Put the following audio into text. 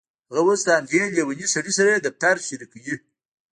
هغه اوس له همدې لیونۍ سړي سره دفتر شریکوي